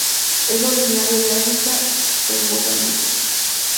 Es originario de África en Mozambique.